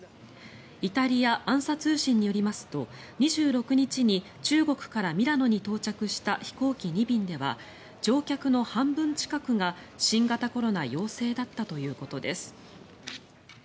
イタリア・ＡＮＳＡ通信によりますと２６日に中国からミラノに到着した飛行機２便では乗客の半分近くが新型コロナ陽性だったということです。